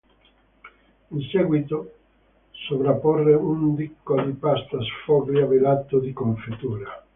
In seguito sovrapporre un dico di pasta sfoglia velato di confettura.